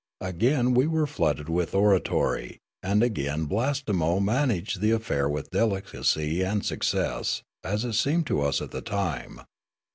Again were we flooded with oratory, and again Blastemo managed the affair with delicacy and success, as it seemed to us at the time.